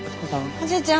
おじいちゃん。